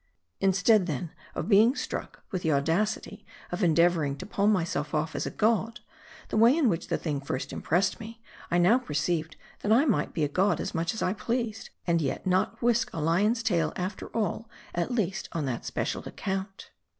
Instead, then, of being struck with the audacity of en deavoring to palm myself off as a god the way in which the thing first impressed me I now perceived that I might be a god as much as I pleased, and yet not whisk a lion's tail after all ; at least on that special account.